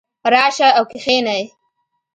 راشئ او کښېنئ